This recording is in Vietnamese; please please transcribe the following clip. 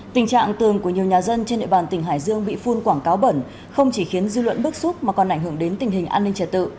tình trạng tường của nhiều nhà dân trên địa bàn tỉnh hải dương bị phun quảng cáo bẩn không chỉ khiến dư luận bức xúc mà còn ảnh hưởng đến tình hình an ninh trật tự